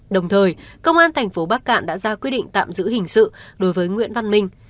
đồng thời công an thành phố bắc cạn đã ra quyết định tạm giữ hình sự đối với nguyễn văn minh